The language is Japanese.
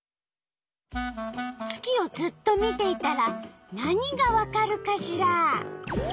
月をずっと見ていたら何がわかるかしら？